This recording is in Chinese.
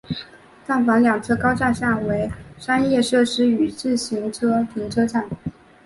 站房两侧高架下为商业设施与自行车停车场。